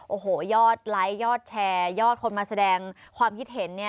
โอ้โหยอดไลค์ยอดแชร์ยอดคนมาแสดงความคิดเห็นเนี่ย